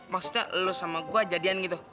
maksudnya lo sama gue jadian gitu